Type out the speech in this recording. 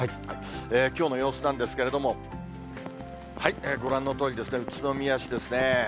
きょうの様子なんですけれども、ご覧のとおり、宇都宮市ですね。